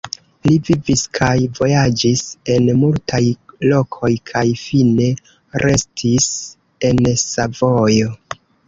Li vivis kaj vojaĝis en multaj lokoj kaj fine restis en Savojo.